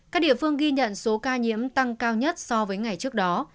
các địa phương ghi nhận số ca nhiễm tăng cao nhất so với ngày trước đó